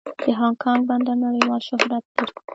د هانګ کانګ بندر نړیوال شهرت لري.